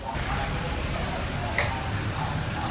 สวัสดีครับคุณผู้ชาย